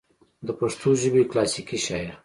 دَپښتو ژبې کلاسيکي شاعر